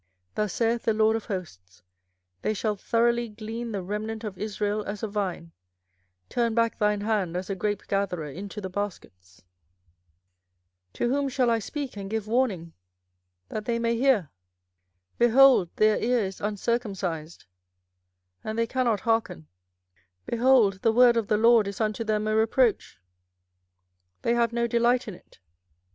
24:006:009 Thus saith the LORD of hosts, They shall throughly glean the remnant of Israel as a vine: turn back thine hand as a grapegatherer into the baskets. 24:006:010 To whom shall I speak, and give warning, that they may hear? behold, their ear is uncircumcised, and they cannot hearken: behold, the word of the LORD is unto them a reproach; they have no delight in it.